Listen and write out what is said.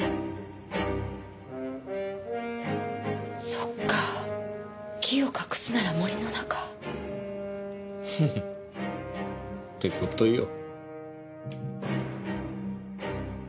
そっか木を隠すなら森の中。って事よ。